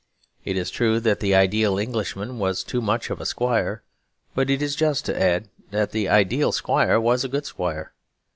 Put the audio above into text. It is true that the ideal Englishman was too much of a squire; but it is just to add that the ideal squire was a good squire.